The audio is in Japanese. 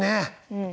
うん。